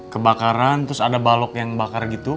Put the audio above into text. kebakaran terus ada balok yang bakar gitu